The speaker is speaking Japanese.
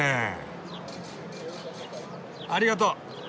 ありがとう。